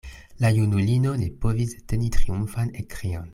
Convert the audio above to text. La junulino ne povis deteni triumfan ekkrion.